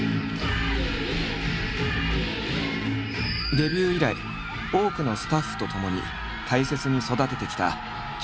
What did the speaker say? デビュー以来多くのスタッフとともに大切に育ててきたきゃりーぱみゅぱみ